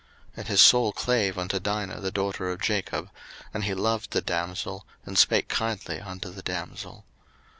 01:034:003 And his soul clave unto Dinah the daughter of Jacob, and he loved the damsel, and spake kindly unto the damsel.